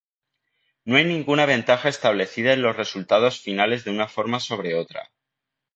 No hay ninguna ventaja establecida en los resultados finales de una forma sobre otra.